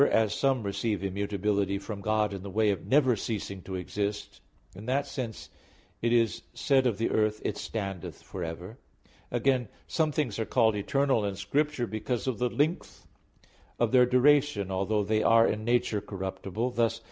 Thus some receive immutability from God in the way of never ceasing to exist; in that sense it is said of the earth, "it standeth for ever" (Eccl. 1:4). Again, some things are called eternal in Scripture because of the length of their duration, although they are in nature corruptible; thus (Ps.